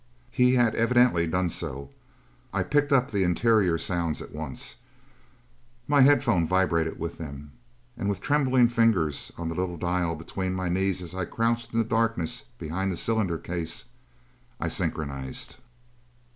He had evidently done so. I picked up the interior sounds at once; my headphone vibrated with them. And with trembling fingers on the little dial between my knees as I crouched in the darkness behind the cylinder case, I synchronized.